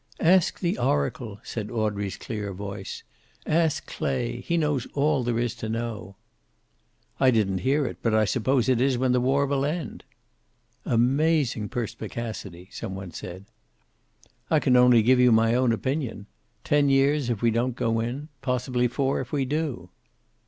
"Ask the oracle," said Audrey's clear voice, "Ask Clay. He knows all there is to know." "I didn't hear it, but I suppose it is when the war will end?" "Amazing perspicacity," some one said. "I can only give you my own opinion. Ten years if we don't go in. Possibly four if we do."